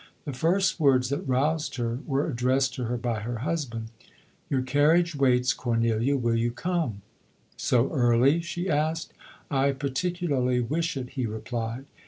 The first words that roused her, were addressed to her by her hus band :" Your carriage waits, Cornelia ; will you come P' 1 " So early ?" she asked. " I particularly wish it," he replied.